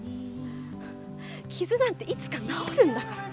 傷なんていつか治るんだから。